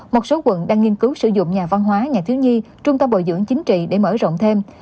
một số quận đang nghiên cứu sử dụng nhà văn hóa nhà thiếu nhi trung tâm bồi dưỡng chính trị để mở rộng thêm